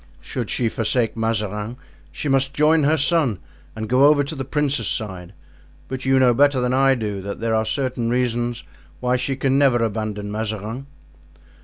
Should she forsake Mazarin she must join her son and go over to the princes' side; but you know better than I do that there are certain reasons why she can never abandon Mazarin."